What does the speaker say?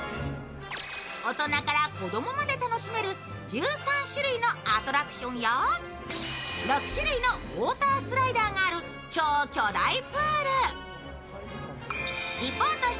大人から子供まで楽しめる１３種類のアトラクションや６種類のウォータースライダーがある超巨大プール。